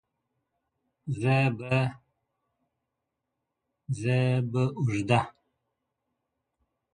زه به اوږده موده د تکړښت لپاره تللي وم؟!